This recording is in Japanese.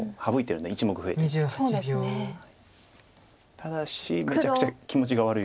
ただしめちゃくちゃ気持ちが悪い。